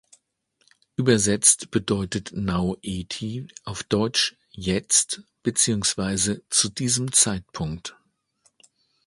Übersetzt bedeutet „Nau eti“ auf Deutsch „jetzt“, beziehungsweise „zu diesem Zeitpunkt“.